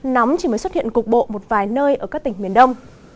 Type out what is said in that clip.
nóng chỉ mới xuất hiện cục bộ một vài nơi ở các tỉnh miền đông